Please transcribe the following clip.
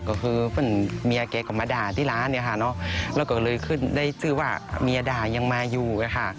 ก็คือเพึ่งเมียเก๊ปเขามาด่าที่ร้านน์นะคะแล้วก็เลยก็ได้จือว่าเมียดายังมาอยู่นะคะ